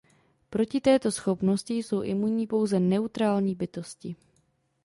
Proti této schopnosti jsou imunní pouze neutrální bytosti.